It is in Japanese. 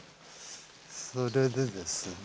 それでですね